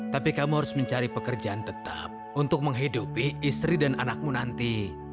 tapi kamu harus mencari pekerjaan tetap untuk menghidupi istri dan anakmu nanti